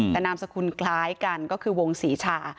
แต่นามสกุลคล้ายกันก็คือวงศรีชา